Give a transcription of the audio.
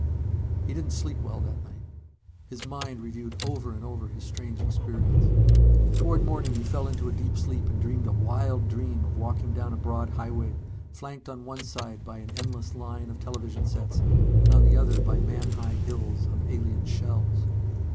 He didn't sleep well that night. His mind reviewed over and over his strange experience. Toward morning he fell into a deep sleep and dreamed a wild dream of walking down a broad highway, flanked on one side by an endless line of television sets and on the other by man high hills of alien shells.